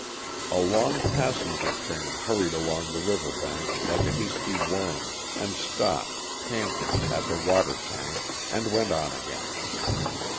A long passenger train hurried along the river bank like a hasty worm, and stopped, panting, at the water tank, and went on again.